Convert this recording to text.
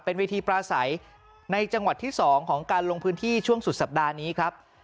เป็นเวทีปลาใสในจังหวัดที่๒ของการลงพื้นที่ช่วงสุดสัปดาห์นี้ครับ